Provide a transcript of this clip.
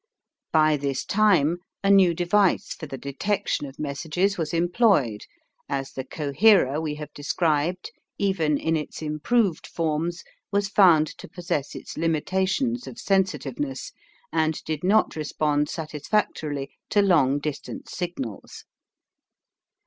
By this time a new device for the detection of messages was employed, as the coherer we have described even in its improved forms was found to possess its limitations of sensitiveness and did not respond satisfactorily to long distance signals.